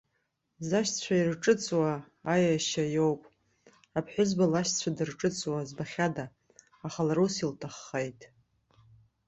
Зашьцәа ирҿыҵуа аиашьа иоуп, аԥҳәызба лашьцәа дырҿыҵуа збахьада, аха лара ус илҭаххеит.